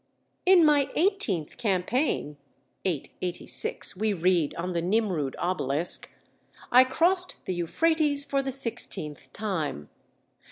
"In my eighteenth campaign" (886), we read on the Nimrud obelisk, "I crossed the Euphrates for the sixteenth time.